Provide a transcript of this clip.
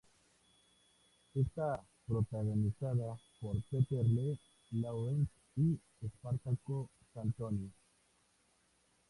Está protagonizada por Peter Lee Lawrence y Espartaco Santoni.